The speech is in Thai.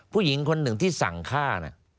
ผู้หญิงคนหนึ่งที่สั่งฆ่านะ